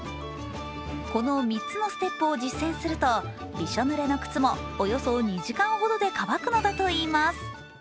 この３つのステップを実践するとびしょぬれの靴もおよそ２時間ほどで乾くのだといいます。